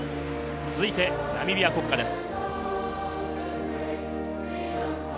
続いてナミビア国歌です。